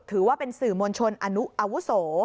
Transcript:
ถือว่าเป็นสื่อมณชนอาวุโส